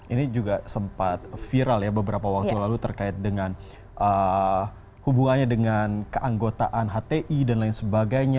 ini juga sempat viral ya beberapa waktu lalu terkait dengan hubungannya dengan keanggotaan hti dan lain sebagainya